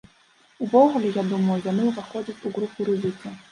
Увогуле, я думаю, яны ўваходзяць у групу рызыкі.